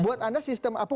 buat anda sistem apa